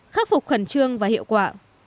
khắc phục khẩn trương và hiệu quả